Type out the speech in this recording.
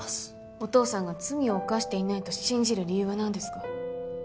お父さんが罪を犯していないと信じる理由は何ですか？